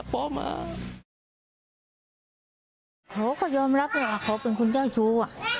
พ่อก็ยอมรับเหลือเขาเป็นคุณเจ้าชู้